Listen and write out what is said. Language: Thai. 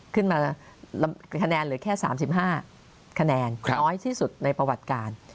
คะแนนเหลือแค่๓๕คะแนนน้อยที่สุดในประวัติการ